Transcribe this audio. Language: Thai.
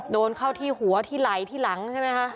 โดนเข้าที่หัวที่ไหล่ที่หลังใช่ไหมคะ